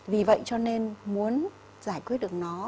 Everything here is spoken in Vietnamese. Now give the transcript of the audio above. vì vậy cho nên muốn giải quyết được nó